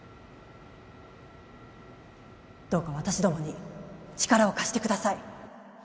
どうか私どもに力を貸してください